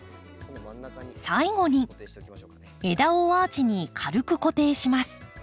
最後に枝をアーチに軽く固定します。